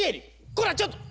こらちょっと！